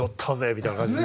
みたいな感じに。